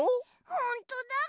ほんとだぐ。